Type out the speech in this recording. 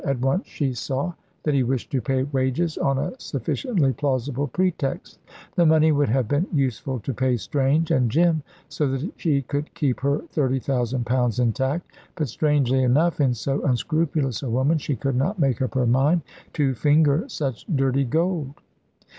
At once she saw that he wished to pay wages on a sufficiently plausible pretext. The money would have been useful to pay Strange and Jim, so that she could keep her thirty thousand pounds intact; but, strangely enough in so unscrupulous a woman, she could not make up her mind to finger such dirty gold.